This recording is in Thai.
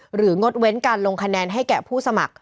งดเว้นการลงคะแนนให้แก่ผู้สมัคร